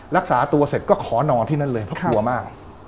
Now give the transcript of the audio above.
รักษาตัวเสร็จก็ขอนอนที่นั่นเลยเพราะกลัวมาก